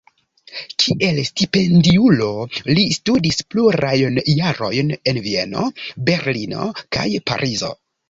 Kiel stipendiulo li studis plurajn jarojn en Vieno, Berlino kaj Parizo.